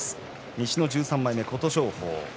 西の１３枚目琴勝峰。